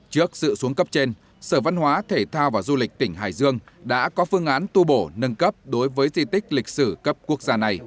trước sự xuống cấp trên sở văn hóa thể thao và du lịch tỉnh hải dương đã có phương án tu bổ nâng cấp được cái kỳ định lên ngang tầm với cái di tích lịch sử quốc gia